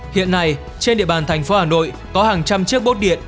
hiện nay trên địa bàn thành phố hà nội có hàng trăm chiếc bốt điện